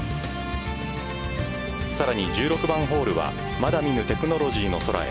さらに、１６番ホールは「まだ見ぬテクノロジーの空へ。」